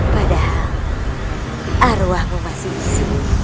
padahal arwahmu masih isu